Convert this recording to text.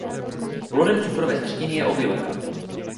Plodem cukrové třtiny je obilka.